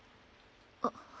あっ。